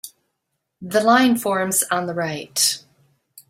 The line forms on the right.